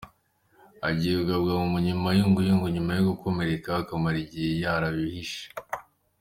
agiye kubagwa mu mayunguyungu nyuma yo gukomereka akamara igihe yarabihishe